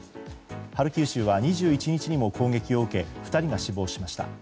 ハルキウ州は２１日にも攻撃を受け２人が死亡しました。